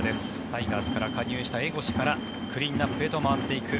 タイガースから加入した江越からクリーンアップへと回っていく